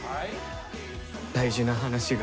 大事な話が。